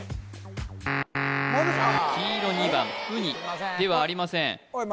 黄色２番ウニではありませんおい